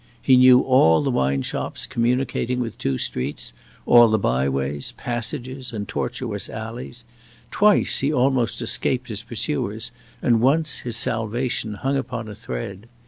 He knew all the wine shops communicating with two streets all the byways, passages, and tortuous alleys. Twice he almost escaped his pursuers, and once his salvation hung upon a thread.